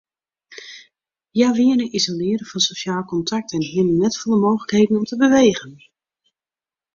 Hja wiene isolearre fan sosjaal kontakt en hiene net folle mooglikheden om te bewegen.